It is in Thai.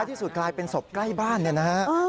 ที่สุดกลายเป็นศพใกล้บ้านเนี่ยนะฮะ